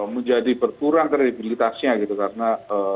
menjadi berkurang kredibilitasnya gitu karena